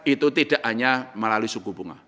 itu tidak hanya melalui suku bunga